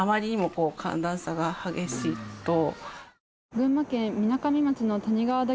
群馬県みなかみ町の谷川岳